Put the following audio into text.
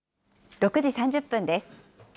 ６時３０分です。